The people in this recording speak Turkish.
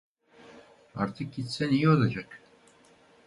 Artık gitsen iyi olacak.